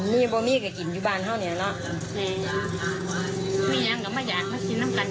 มีอยู่บ้านเท่านี้แหละ